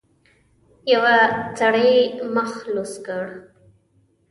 يوه سړي مخ لوڅ کړ.